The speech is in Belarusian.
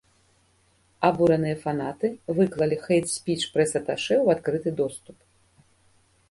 Абураныя фанаты выклалі хэйт-спіч прэс-аташэ ў адкрыты доступ.